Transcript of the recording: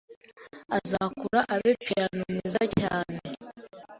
Azakura abe piyano mwiza cyane.